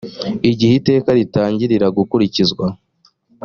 igihe iteka ritangirira gukurikizwa